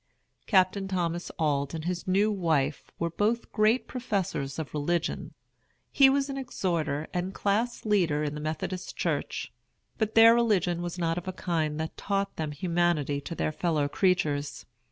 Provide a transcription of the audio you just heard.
Captain Thomas Auld and his new wife were both great professors of religion. He was an exhorter and class leader in the Methodist Church. But their religion was not of a kind that taught them humanity to their fellow creatures.